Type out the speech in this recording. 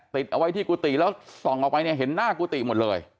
ติดเอาไว้ที่กุฏิแล้วส่องออกไปเนี่ยเห็นหน้ากุฏิหมดเลย